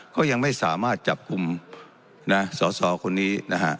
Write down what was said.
ก็ยังไม่สามารถจับกลุ่มนะสอสอคนนี้นะฮะ